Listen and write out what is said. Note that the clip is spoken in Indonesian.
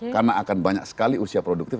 karena akan banyak sekali usia produktif